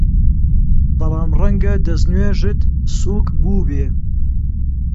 بەڵام ڕەنگە دەستنوێژت سووک بووبێ!